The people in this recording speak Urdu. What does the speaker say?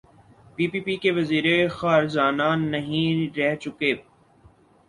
پی پی پی کے وزیر خزانہ نہیں رہ چکے؟